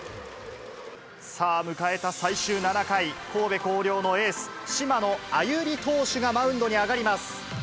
さあ、迎えた最終７回、神戸弘陵のエース、島野愛友利投手がマウンドに上がります。